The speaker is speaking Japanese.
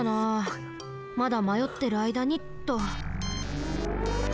まだまよってるあいだにっと。